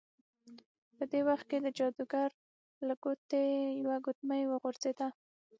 په دې وخت کې د جادوګر له ګوتې یوه ګوتمۍ وغورځیده.